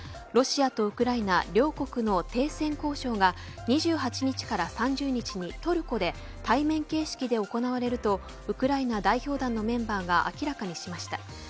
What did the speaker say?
ロシアとウクライナ両国の停戦交渉が２８日から３０日にトルコで対面形式で行われるとウクライナ代表団のメンバーが明らかにしました。